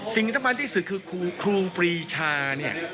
สิ่งสำคัญที่สุดคือครูปรีชาเนี่ย